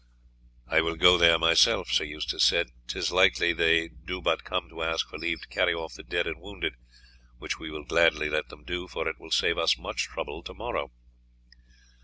"I will go there myself," Sir Eustace said; "'tis likely they do but come to ask for leave to carry off the dead and wounded, which we will gladly let them do, for it will save us much trouble to morrow."